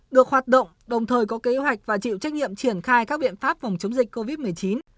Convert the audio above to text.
được hoạt động đồng thời có kế hoạch và chịu trách nhiệm triển khai các biện pháp phòng chống dịch covid một mươi chín